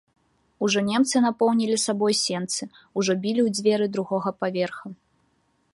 Ужо немцы напоўнілі сабой сенцы, ужо білі ў дзверы другога паверха.